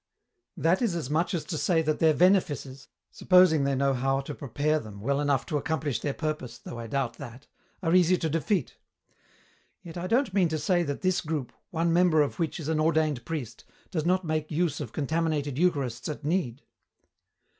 "That is as much as to say that their venefices supposing they know how to prepare them well enough to accomplish their purpose, though I doubt that are easy to defeat. Yet I don't mean to say that this group, one member of which is an ordained priest, does not make use of contaminated Eucharists at need."